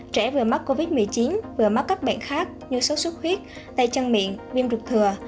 trẻ vừa mắc covid một mươi chín vừa mắc các bệnh khác như sốt xuất huyết tay chân miệng viêm ruột thừa